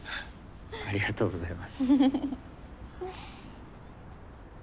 ありがとうございます。